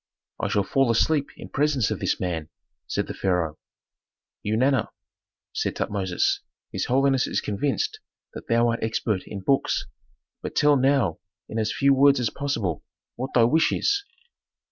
"I shall fall asleep in presence of this man," said the pharaoh. "Eunana," said Tutmosis, "his holiness is convinced that thou art expert in books, but tell now in as few words as possible what thy wish is."